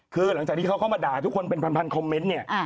คือหลังจากที่เขาเข้ามาด่าทุกคนเป็นพันคอมเมนต์เนี่ย